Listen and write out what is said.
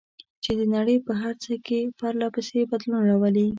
چې د نړۍ په هر څه کې پرله پسې بدلون راولي.